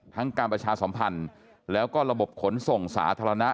การประชาสัมพันธ์แล้วก็ระบบขนส่งสาธารณะ